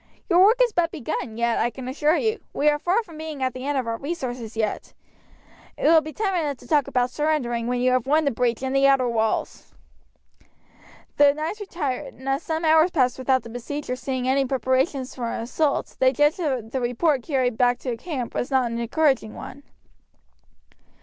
Your work is but begun yet, I can assure you. We are far from being at the end of our resources yet. It will be time enough to talk about surrendering when you have won the breach and the outer walls." The knights retired; and as some hours passed without the besiegers seeing any preparation for an assault they judged that the report carried back to camp was not an encouraging one.